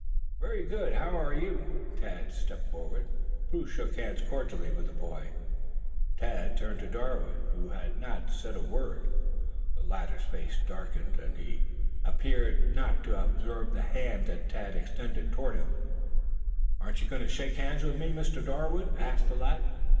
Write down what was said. "Very good. How are you?" Tad stepped forward. Bruce shook hands cordially with the boy. Tad turned to Darwood, who had not said a word. The latter's face darkened, and he appeared not to have observed the hand that Tad extended toward him. "Aren't you going to shake hands with me, Mr. Darwood?" asked the lad.